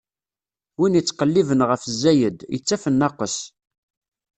Win ittqelliben ɣef zzayed, ittaf nnaqes.